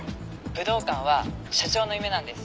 武道館は社長の夢なんです。